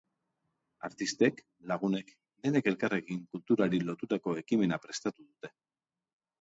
Artistek, lagunek, denek elkarrekin kulturari lotutako ekimena prestatu dute.